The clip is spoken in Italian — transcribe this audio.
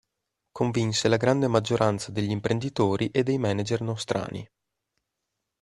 Convinse la grande maggioranza degli imprenditori e dei manager nostrani.